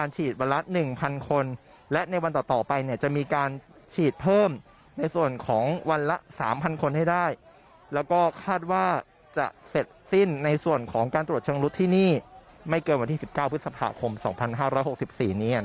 เชื้อไวรัสโควิดสิบเกกสิ้นในส่วนของการตรวจชนรุชที่นี่ไม่เกินวันที่สิบเก้าพฤษภาคมสองพันห้าร้อยหกสิบสี่นี้